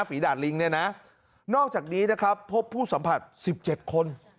ดาดลิงเนี่ยนะนอกจากนี้นะครับพบผู้สัมผัส๑๗คน